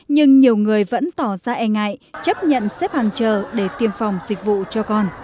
nhưng nhiều người vẫn tỏ ra e ngại chấp nhận xếp hàng chờ để tiêm phòng dịch vụ cho con